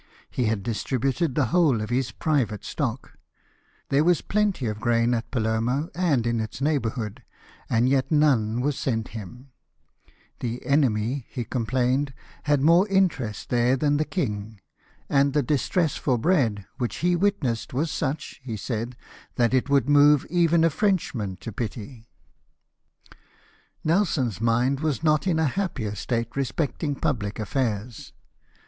He had distributed the whole of his private stock — there was plenty of grain at Palermo, and in its neighbourhood, and yet none was sent him ; the enemy, he complained, had more interest there than the king; and the distress for bread which he witnessed was such, he said, that it would move even a Frenchman to pity. Nelson's mind was not in a happier state respecting public affairs.